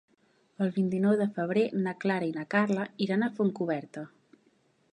El vint-i-nou de febrer na Clara i na Carla iran a Fontcoberta.